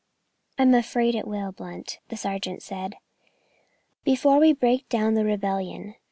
"I am afraid it will, Blunt," the sergeant said, "before we break down the rebellion.